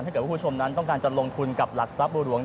ถ้าเกิดว่าคุณผู้ชมนั้นต้องการจะลงทุนกับหลักทรัพย์บัวหลวง